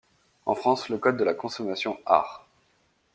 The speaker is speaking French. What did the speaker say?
En France le Code de la Consommation Art.